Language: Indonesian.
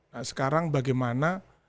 nah sekarang bagaimana